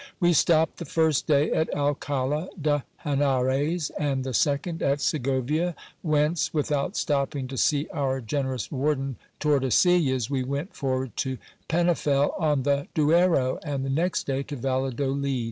We stopped the first day at Alcala de Henares, and the second at Segovia, whence, without stopping to see our generous warden, Tordesillas, we went forward to Penafiel on the Duero, and the next day to Valladolid.